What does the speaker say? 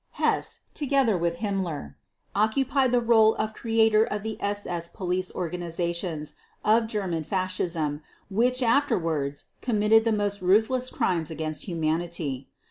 Hess, together with Himmler, occupied the role of creator of the SS police organizations of German fascism which afterwards committed the most ruthless Crimes against Humanity.